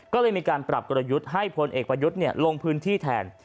ก็เลยมีการปรับกลยุทธ์ให้พลเอกประยุทธ์ลงพื้นที่แทน